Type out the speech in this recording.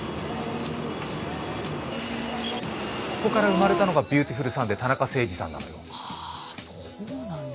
ここから生まれたのが「ビューティフルサンデー」田中星児さんなの。